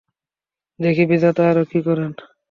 দেখি বিধাতা আরো কী করেন।